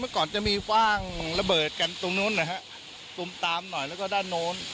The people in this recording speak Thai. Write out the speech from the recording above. เมื่อก่อนจะมีว่างระเบิดตรงนู้นตรงตามหน่อยแล้วก็ด้านโน้น